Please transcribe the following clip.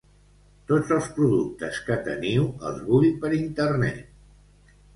Tots els productes que teniu els vull per internet.